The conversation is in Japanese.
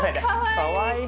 かわいい。